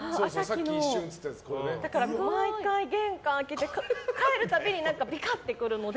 だから毎回、玄関開けて帰る度にビカってくるので。